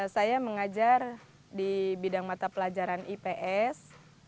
saya mengajar di bidang mata pelajaran ips